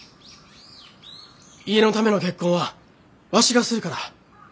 家のための結婚はわしがするから。